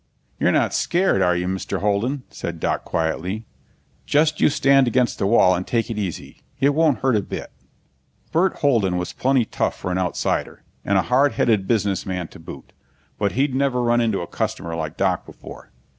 "You're not scared, are you, Mr. Holden?" said Doc quietly. "Just you stand against the wall and take it easy. It won't hurt a bit." Burt Holden was plenty tough for an Outsider, and a hard headed businessman to boot, but he'd never run into a customer like Doc before.